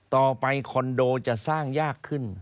ต่อไปคอนโดจะสร้างยากขึ้น